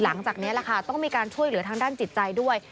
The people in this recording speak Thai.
หลังจากนี้แหละค่ะต้องมีการช่วยเหลือทางด้านจิตใจด้วย